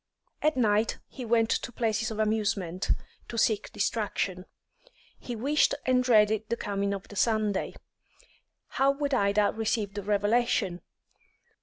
At night he went to places of amusement, to seek distraction; he wished and dreaded the coming of the Sunday. How would Ida receive the revelation?